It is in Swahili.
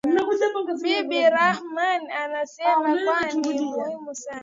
Bibi Rahman anasema kwamba Ni muhimu sana